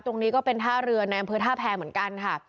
ตรงนี้ก็เป็นท่าเรือในอำเภอท่าแพรเหมือนกันค่ะ